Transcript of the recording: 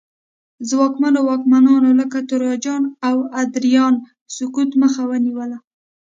ځواکمنو واکمنانو لکه تراجان او ادریان سقوط مخه ونیوله